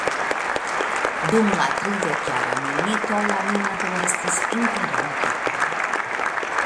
Dum la tridekjara milito la minado estis interrompita.